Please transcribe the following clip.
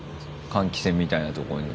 換気扇みたいなとこに。